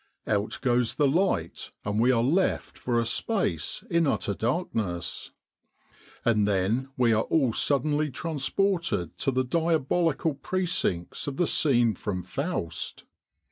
Out goes the light and we are left for a space in utter darkness. And then we are all suddenly transported to the diabolical precincts of the scene from Faust.